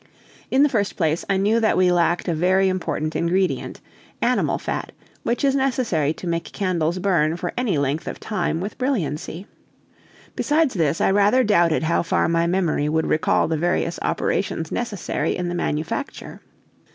In the first place, I knew that we lacked a very important ingredient animal fat, which is necessary to make candles burn for any length of time with brilliancy. Besides this, I rather doubted how far my memory would recall the various operations necessary in the manufacture.